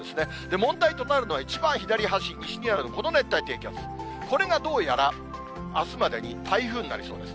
問題となるのは一番左端、西にあるこの熱帯低気圧、これがどうやら、あすまでに台風になりそうです。